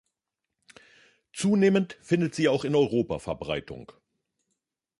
Zunehmend findet sie auch in Europa Verbreitung.